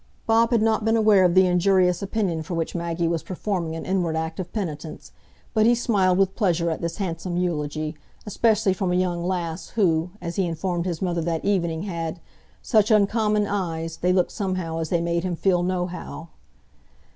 Bob had not been aware of the injurious opinion for which Maggie was performing an inward act of penitence, but he smiled with pleasure at this handsome eulogy,—especially from a young lass who, as he informed his mother that evening, had "such uncommon eyes, they looked somehow as they made him feel nohow."